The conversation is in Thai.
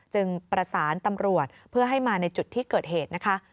ประสานตำรวจเพื่อให้มาในจุดที่เกิดเหตุนะคะ